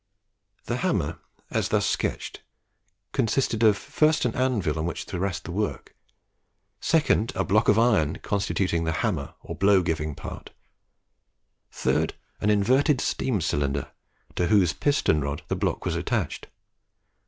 The hammer, as thus sketched, consisted of, first an anvil on which to rest the work; second, a block of iron constituting the hammer or blow giving part; third, an inverted steam cylinder to whose piston rod the block was attached.